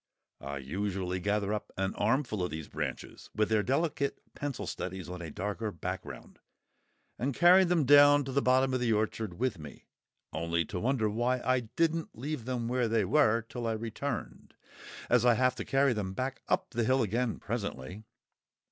I usually gather up an armful of these branches, with their delicate pencil studies on a darker background, and carry them down to the bottom of the orchard with me—only to wonder why I didn't leave them where they were till I returned, as I have to carry them back up the hill again presently!